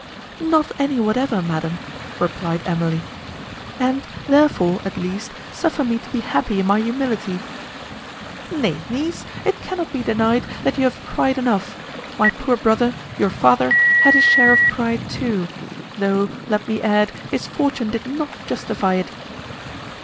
"Not any whatever, Madam," replied Emily, "and, therefore, at least, suffer me to be happy in my humility." "Nay, niece, it cannot be denied, that you have pride enough; my poor brother, your father, had his share of pride too; though, let me add, his fortune did not justify it."